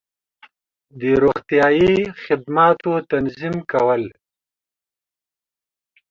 د روغتیایی خدماتو تنظیم کول